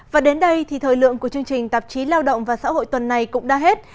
và đến đây thì thời lượng của chương trình tạp chí lao động và xã hội tuần này cũng đã hết